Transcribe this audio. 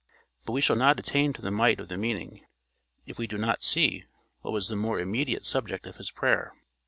But we shall not attain to the might of the meaning, if we do not see what was the more immediate subject of his prayer.